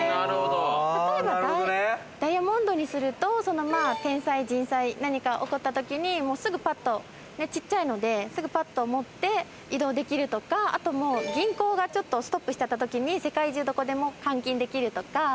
例えばダイヤモンドにすると天災人災何か起こった時にすぐパッと小っちゃいのですぐパッと持って移動できるとかあと銀行がストップしちゃった時に世界中どこでも換金できるとか。